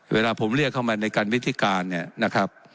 เวลาผมเรียกเข้ามาในการวิธีการเนี่ยนะครับ